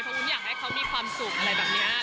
วุ้นอยากให้เขามีความสุขอะไรแบบนี้